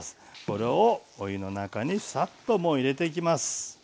これをお湯の中にサッともう入れていきます。